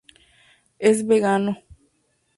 Es vegano.